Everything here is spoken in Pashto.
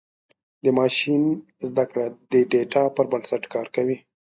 د ماشین زدهکړه د ډیټا پر بنسټ کار کوي.